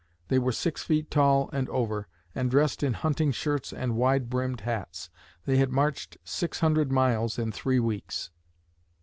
They were six feet tall and over, and dressed in hunting shirts and wide brimmed hats. They had marched six hundred miles in three weeks.